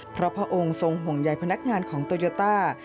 เพราะพระองค์ทรงห่วงใยพนักงานของโตโยต้า